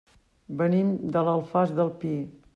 Venim de l'Alfàs del Pi.